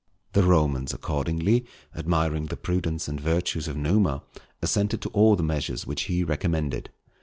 The Romans, accordingly, admiring the prudence and virtues of Numa, assented to all the measures which he recommended.